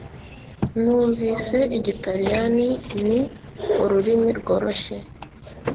Numvise Igitaliyani ni ururimi rworoshye.